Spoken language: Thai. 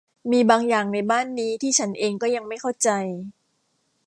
มีบางอย่างในบ้านนี้ที่ฉันเองก็ยังไม่เข้าใจ